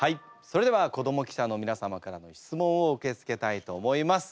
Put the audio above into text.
それでは子ども記者のみなさまからの質問を受け付けたいと思います。